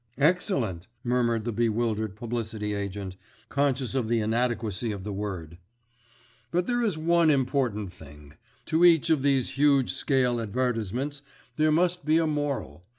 "Excellent!" murmured the bewildered publicity agent, conscious of the inadequacy of the word. "But there is one important thing. To each of these huge scale advertisements there must be a moral.